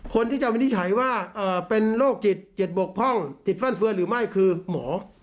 คนที่จะวินิจฉัยว่าเป็นโรคจิตจิตบกพร่องจิตฟั่นเฟือหรือไม่คือหมอ